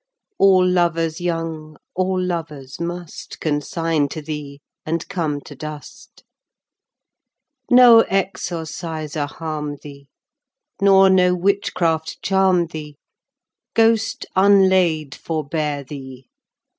All Louers young, all Louers must, Consigne to thee and come to dust Guid. No Exorcisor harme thee, Arui. Nor no witch craft charme thee Guid. Ghost vnlaid forbeare thee Arui.